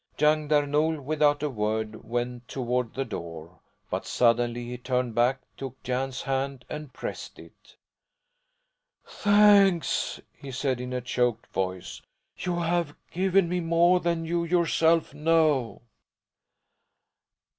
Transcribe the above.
Young Där Nol, without a word, went toward the door; but suddenly he turned back, took Jan's hand, and pressed it. "Thanks!" he said in a choked voice. "You have given me more than you yourself know."